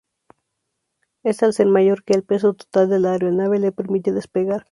Esta, al ser mayor que el peso total de la aeronave, le permite despegar.